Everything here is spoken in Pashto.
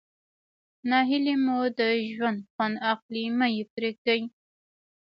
ناهلي مو د ژوند خوند اخلي مه ئې پرېږدئ.